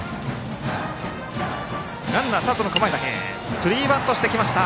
スリーバントしてきた！